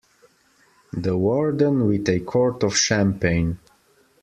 The Warden with a quart of champagne.